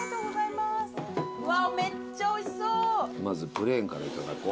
まずプレーンからいただこう。